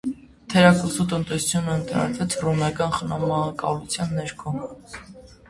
Թերակղզու տնտեսությունը ընդլայնվեց հռոմեական խնամակալության ներքո։